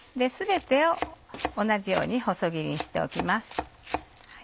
全てを同じように細切りにしておきます。